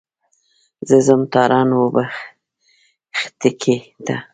زه ځم تارڼ اوبښتکۍ ته.